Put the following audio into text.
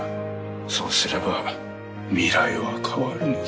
そうすれば未来は変わるのだ。